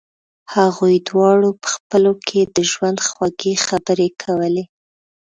هغوی دواړو په خپلو کې د ژوند خوږې خبرې کولې